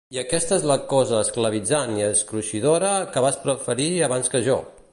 I aquesta és la cosa esclavitzant i escruixidora que vas preferir abans que jo!